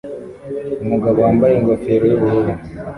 Umugabo wambaye ingofero yubururu